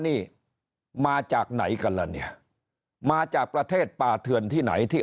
นี่มาจากไหนกันแล้วเนี่ยมาจากประเทศป่าเถื่อนที่ไหนที่